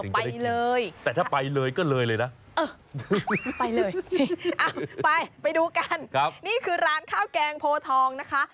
ไปเลยแต่ถ้าไปเลยก็เลยเลยนะไปเลยไปไปดูกันนี่คือร้านข้าวแกงโพทองนะคะ